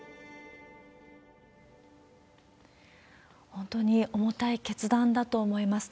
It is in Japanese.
本当に重たい決断だと思います。